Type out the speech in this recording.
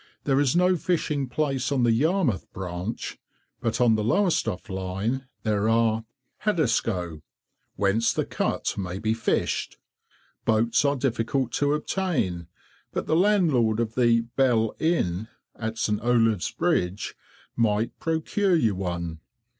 There is no fishing place on the Yarmouth branch, but on the Lowestoft line there are— HADDISCOE, whence the Cut may be fished. Boats are difficult to obtain, but the landlord of the "Bell" Inn, at St. Olave's bridge, might procure you one.